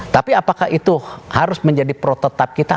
tapi apakah itu harus menjadi protetap kita